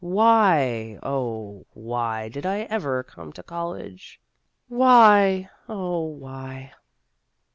Why oh, why did I ever come to college ? Why oh, why